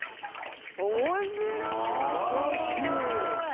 面白ーい！